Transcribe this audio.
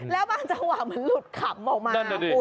แล้วบ้างจะว่ามันหลุดขำออกมา